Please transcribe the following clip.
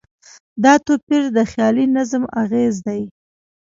دا توپیر د خیالي نظم اغېز دی.